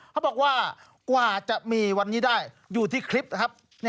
เขาบอกว่ากว่าจะมีวันนี้ได้อยู่ที่คลิปนะครับ